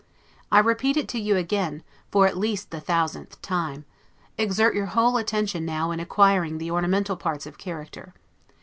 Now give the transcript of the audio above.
I repeat it to you again, for at least the thousandth time, exert your whole attention now in acquiring the ornamental parts of character.